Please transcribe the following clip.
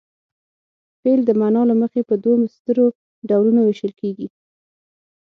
فعل د معنا له مخې په دوو سترو ډولونو ویشل کیږي.